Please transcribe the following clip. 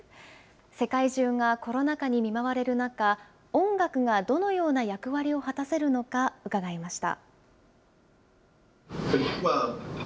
世界中がコロナ禍に見舞われる中、音楽がどのような役割を果たせるのか伺いました。